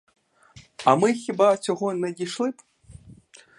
А ми хіба цього не дійшли б?